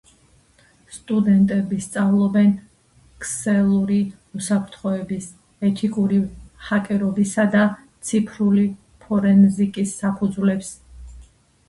სტუდენტები სწავლობენ ქსელური უსაფრთხოების, ეთიკური ჰაკერობისა და ციფრული ფორენზიკის საფუძვლებს.